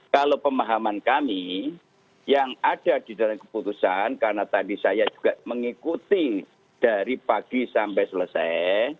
kalau pemahaman kami yang ada di dalam keputusan karena tadi saya juga mengikuti dari pagi sampai selesai